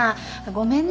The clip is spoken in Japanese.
ごめんね。